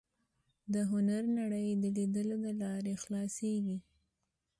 د هنر نړۍ د لیدلو له لارې خلاصېږي